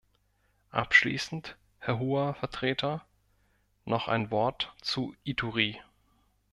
Abschließend, Herr Hoher Vertreter, noch ein Wort zu Ituri.